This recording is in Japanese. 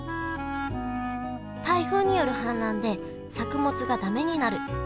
台風による氾濫で作物が駄目になる。